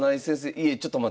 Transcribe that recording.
いやちょっと待って。